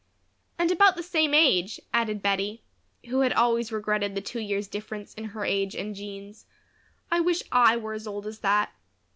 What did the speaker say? "And about the same age," added Bettie, who had always regretted the two years' difference in her age and Jean's. "I wish I were as old as that."